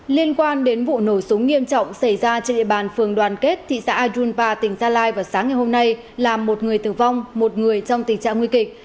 liên quan đến vụ nổ súng nghiêm trọng xảy ra trên địa bàn phường đoàn kết thị xã ayunpa tỉnh gia lai vào sáng ngày hôm nay làm một người tử vong một người trong tình trạng nguy kịch